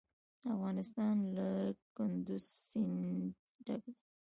افغانستان له کندز سیند ډک دی.